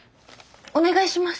お願いします！